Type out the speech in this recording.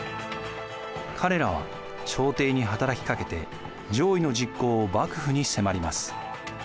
彼らは朝廷に働きかけて攘夷の実行を幕府に迫ります。